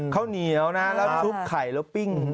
ข้าวเหนียวนะแล้วซุปไข่แล้วปิ้ง